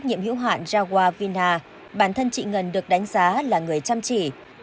trách nhiệm hữu hoạn jaguar vina bản thân chị ngân được đánh giá là người chăm chỉ